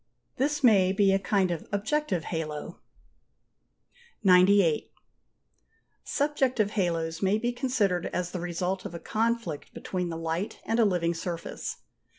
This may be a kind of objective halo. (88.) 98. Subjective halos may be considered as the result of a conflict between the light and a living surface.